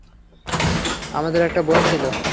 আমাদের একটা বোন ছিল।